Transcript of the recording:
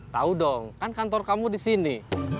tahu dong kan kantor kamu di sini